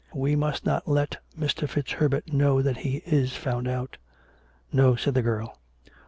We must not let Mr. FitzHerbert know that he is found out." " No/' said the girl.